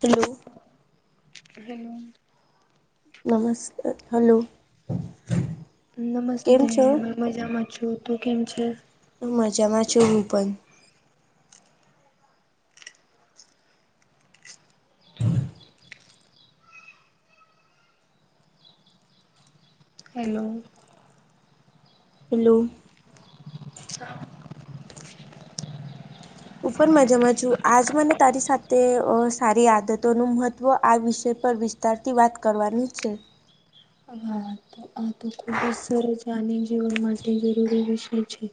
Hello. Hello. નમસ્તે hello. કેમ નમસ્તે છો હ મજામાં છુ, તું કેમ છે? મજામાં જ છુ, હું પણ. હેલો હેલો હું પણ મજામાં છુ, આજ મને તારી સાથે સારી આદતોનું મહત્વ આ વિષય પર વિતારતી વાત કરવાની છે. હા. આ તો ખુબ જ સરસ છે આન જીવન માટે જરૂરી વિષય છે.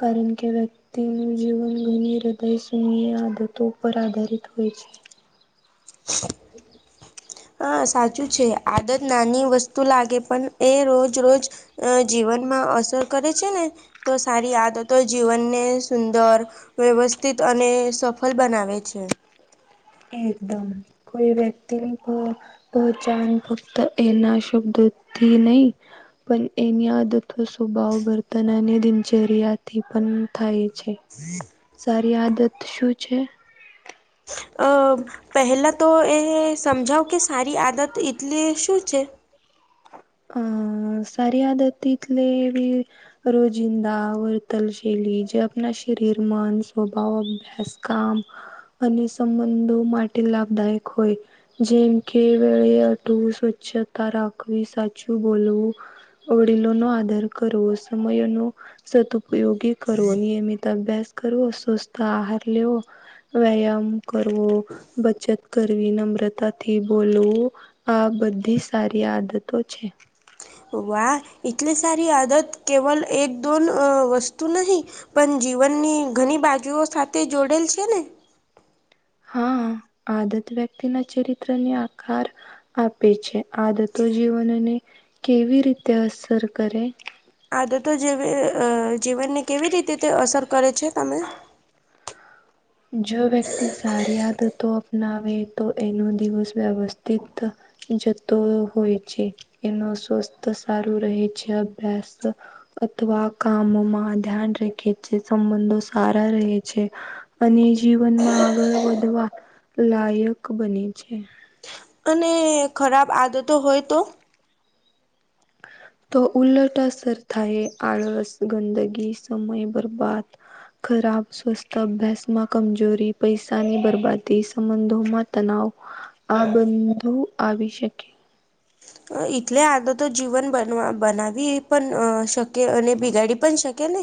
કારણ કે વ્યક્તિ તેનું જીવન ઘણી હૃદય સુૂનય આદતો પર આધારિત હોય છે. ત [inaudible] [unintelligible] હા સાચું છે. આદત નાની વસ્તુ લાગે પણ એ રોજ રોજ અ જીવનમાં અસર કરે છેને, તો સારી યાદ તો જીવનને સુંદર વ્યવસ્થિત અને સફળ બનાવે છે. એકદમ કોઈ વ્યક્તિ ઓચાંદ પુરત એના શુભ્દોથી નહી પણ એની આદત, સ્વભાવ વર્તન અને એની દિનચર્યાથી પણ થાય છે. જી [inaudible] [unintelligible] સારી આદત શું છે? અ પહેલા તો એ સમજાવ કે સારી આદત એટલે શું છે? અંઅ... સારી આદત એટલે રોજિંદા વર્તનશૈલી જે આપણા શરીર, મન, સ્વભાવ, અભ્યાસ, કામ અને સંબંધો માટે લાભદાયક હોય. જેમ કે વળી સ્વચ્છતા રાખવી, સાચું બોલવું વડીલો નો આદર કરવો સમયનો સદુપયોગી કરવો, નિયમિત અભ્યાસ કરવો, સ્વસ્થ આહાર લેવો વ્યાયામ કરવો, બચત કરવી, નમ્રતાથી બોલવું આ બધી સારી આદતો છે. વાહ! ! એટલે સારી આદત કેવલ એક દોન વસ્તુ નહી પણ જીવનની ઘણી બાજુઓ સાથે જોડેલ છે ને હા આદત વ્યક્તિના ચરિત્રની આકાર આપે છે. આદતો જીવનને કેવી રીતે અસર કરે? આદતો જેવી જીવનને કેવી રીતે તે અસર કરે છે તમે જો વ્યક્તિ સારી આદતો અપનાવે તો એનો દિવસ વ્યવસ્થિત જતો હોય છે એનો સ્વસ્થ સારું રહે છે. અભ્યાસ અથવા કામોમાં ધ્યાન રાખે છે સંબંધો સારા રહે છે અને જીવનમાં આગળ વધવા લાયક બને છે. અને ખરાબ આદતો હોય તો તો ઉલટ અસર થાય આળસ ગંદગી સમય બરબાદ ખરાબ સ્વસ્થ અભ્યાસમાં કમજોરી, પૈસાની બરબાદી સંબંધોમાં તનાવ આ બધું આવી શકે એટલે આદતો જીવન બન બનાવી પણ શકે અને બિગાડી પણ શકે ને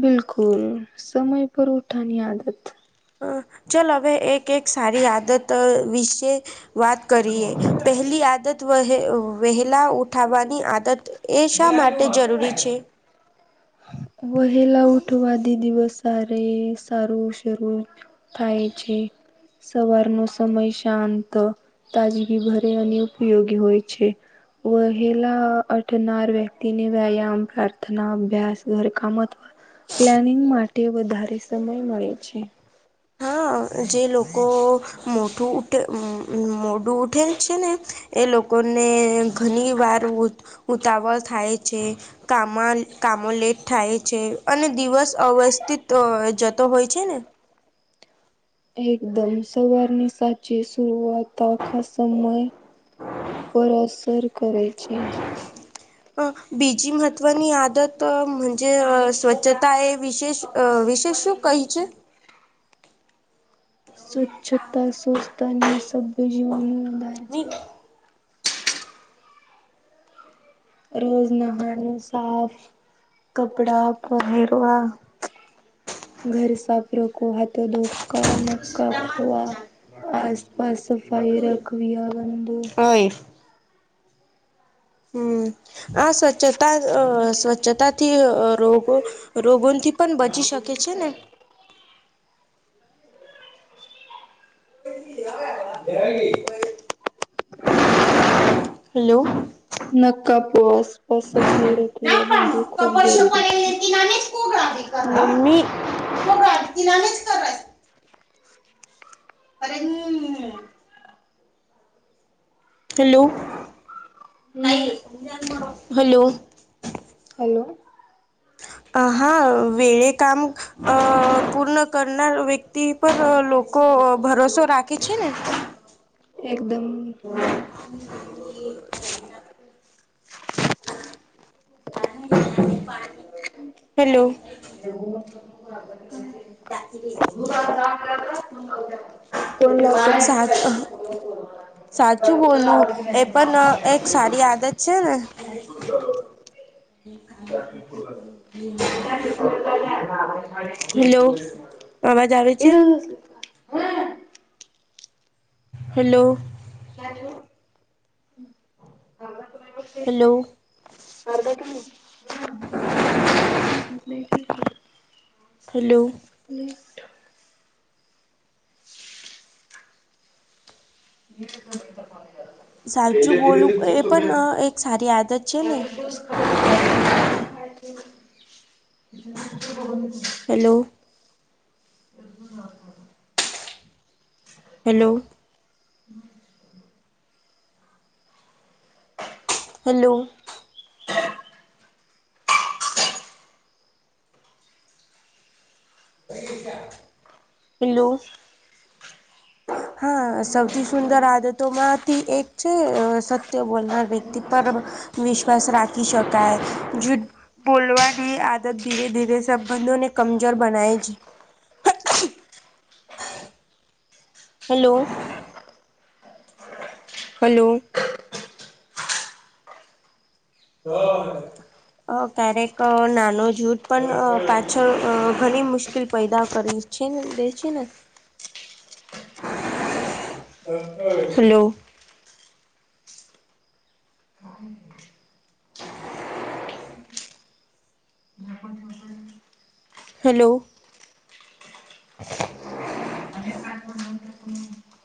બિલકુલ સમય પર ઉઠવાની આદત અ ચાલ હવે એક એક સારી આદત વિશે વાત કરીએ પહેલી આદત વ વહેલા ઉઠવવાની આદત એ શા માટે જરૂરી છે? વહેલા ઉઠવા આ થી દિવસ સારે સારું શરૂ થાય છે સવારનો સમય શાંત તાજગી ભર્યોઅને ઉપયોગી હોય છે. વહેલા ઉઠનાર વ્યક્તિને વ્યાયામ, પ્રાર્થના, અભ્યાસ ઘરકામ અથવા પ્લાનિંગ માટે વધારે સમય મળે છે. હા જે લોકો મોડું ઉઠે મોડું ઉઠેલ છે ને એ લોકોને ઘણી વાર ઉ ઉતાવળ થાય છે.. કામમાં કામો લેટ થાય છે અને દિવસ અવ્યવસ્થિત જતો હોય છે ને એકદમ સવારની સાચી શરૂઆત આખા સમય પર અસર કર છે. અ બીજી મહત્ત્વની આદત જે સ્વચ્છતા એ વિશેષ વિશેષ કહી છે. સ્વચ્છતા સ્વસ્થતાને સભ્યજીીવો ન ઉદાર છે. રોજ નાહવાનું, સાફ કપડા પહેરવા [inaudible] ઘર સાફ રકો હથો ધો નખ કાપવા સફાઈ રખવી આ તો હોય હમ આ સ્વચ્છતા સ્વચ્છતાથી રોગો રોગોથી પણ બચી શકાય છે ને? હલો નકાપો આસપાસ સફાાઈ રખું આ બંધુ ખૂબ જરૂરી છે ગાડી મમ્ ગાડી ના અરે હમ હલો હમ હલો હલો હા વેળ કામ અ પૂર્ણ કરનાર વ્યક્તિ પર લોકો ભરોસો રાખે છે ને એકદમ [inaudible] હેલો કો મા સા સાચું બોલું એ પણ એક સારી આદત છેાલ હેલો અવાજ આવે એ છે તો શ હલો ક છું હેલો અર્ધા કલો હલો ઠ વીટ તો તરમે એલે સાચું દ દી બોલવું તું એ સમે પણ એક સારી આદત છે ખ ને જ હલો એદ નાખ હેલો હમ હેલો હ પ હેલો હા સૌથી સુંદર આદતો માંથી એક છે સત્ય બોલનાર વ્યક્તિ પર વિશ્વાસ રાખી શકાય બોલવાની આદત ધીરે ધીરે સંબંધોને કમજોર બનાય છે હેલો હલો હ અ ક્યારેક નાનો જૂથ પણ પાછળ ઘણી મુશ્કેલ પેદા કરી છે દ છે હ હલોલો હા હલો [unintelligible]